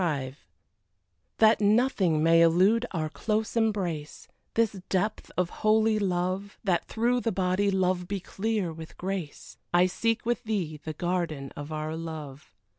XXV That nothing may elude our close embrace, This depth of holy love, That through the body love be clear with grace, I seek with thee the garden of our love.